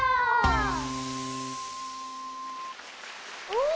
・お！